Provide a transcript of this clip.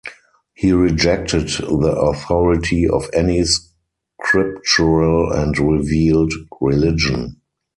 He rejected the authority of any scriptural or revealed religion.